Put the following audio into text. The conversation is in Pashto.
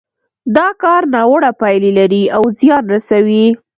دا کار ناوړه پايلې لري او زيان رسوي.